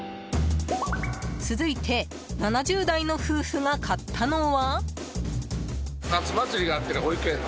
続いて７０代の夫婦が買ったのは。